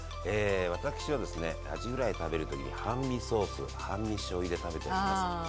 私はですねアジフライ食べる時に半身ソース半身しょうゆで食べております。